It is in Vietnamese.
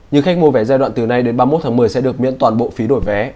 nhưng khách mua vé giai đoạn từ nay đến ba mươi một tháng một mươi sẽ được miễn toàn bộ phí đổi vé